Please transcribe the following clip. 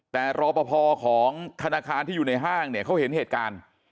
แต่รอปภของธนาคารที่อยู่ในห้างเนี่ยเขาเห็นเหตุการณ์